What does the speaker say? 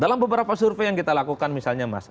dalam beberapa survei yang kita lakukan misalnya mas